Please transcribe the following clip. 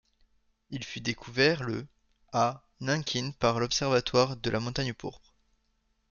Il fut découvert le à Nanking par l'Observatoire de la Montagne Pourpre.